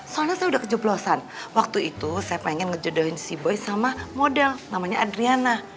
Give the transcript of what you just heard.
soalnya saya sudah kejeblosan waktu itu saya pengen ngejodohin sea boy sama model namanya adriana